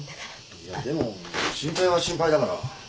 いやでも心配は心配だから。